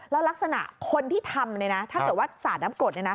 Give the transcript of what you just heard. แล้วลักษณะคนที่ทำถ้าเกิดว่าสาดน้ำกรด